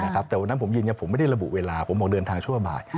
แต่วันนั้นผมยืนยันผมไม่ได้ระบุเวลาผมบอกเดินทางชั่วบ่าย